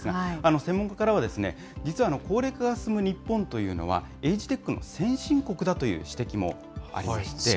専門家からは、実は高齢化が進む日本というのは、エイジテックの先進国だという指摘もありまして。